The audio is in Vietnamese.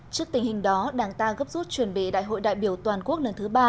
trước tình hình đó đảng ta gấp rút chuẩn bị đại hội đại biểu toàn quốc lần thứ ba